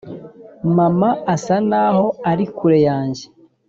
mama asa naho ari kure yanjye